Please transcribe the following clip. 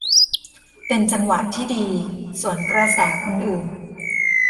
เป็นจังหวะที่ดีสวนกระแสคนอื่น